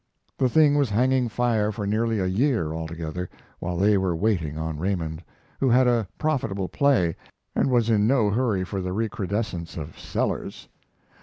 The thing was hanging fire for nearly a year, altogether, while they were waiting on Raymond, who had a profitable play, and was in no hurry for the recrudescence of Sellers.